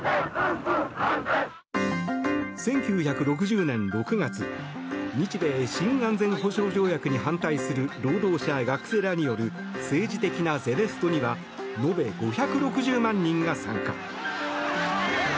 １９６０年６月日米新安全保障条約に反対する労働者や学生らによる政治的なゼネストには延べ５６０万人が参加。